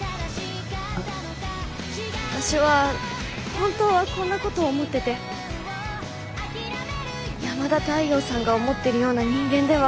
私は本当はこんなこと思ってて山田太陽さんが思ってるような人間では。